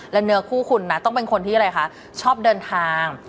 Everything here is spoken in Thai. และเนื้อคู่คุณนะต้องเป็นคนที่อะไรคะชอบเดินทาง